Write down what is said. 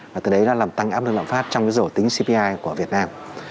và từ đấy nó làm tăng áp lượng lạm pháp trong cái rổ tính cpi của việt nam